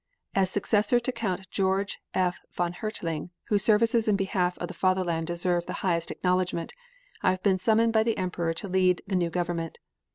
As successor to Count George F. von Hertling, whose services in behalf of the Fatherland deserve the highest acknowledgment, I have been summoned by the Emperor to lead the new government.